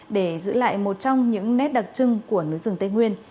để giữ lại một trong những nét đặc trưng của núi rừng tây nguyên